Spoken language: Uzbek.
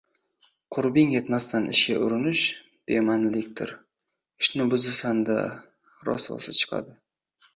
Qurbing yetmagan ishga urinish bema’nilikdir. Ishni buzasanda, rasvosi chiqadi.